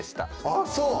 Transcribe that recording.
あっそう。